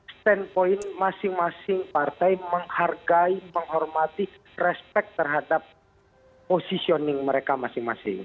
standpoint masing masing partai menghargai menghormati respect terhadap positioning mereka masing masing